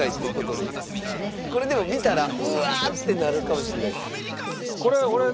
これでも見たらうわーってなるかもしれないです。